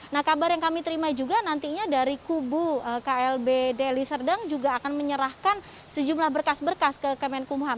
nah kabar yang kami terima juga nantinya dari kubu klb deli serdang juga akan menyerahkan sejumlah berkas berkas ke kemenkumham